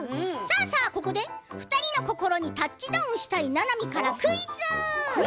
ここで２人の心にタッチダウンしたいななみからクイズ！